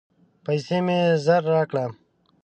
پیسې مي ژر راکړه !